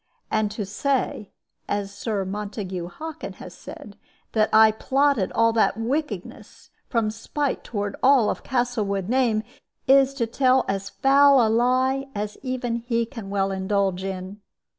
And to say (as Sir Montague Hockin has said) that I plotted all that wickedness, from spite toward all of the Castlewood name, is to tell as foul a lie as even he can well indulge in.